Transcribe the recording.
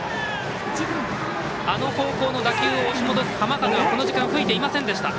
あの方向の打球を押し戻す浜風はこの時間、吹いていませんでした。